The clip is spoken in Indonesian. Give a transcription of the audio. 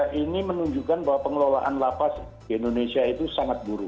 nah ini menunjukkan bahwa pengelolaan lapas di indonesia itu sangat buruk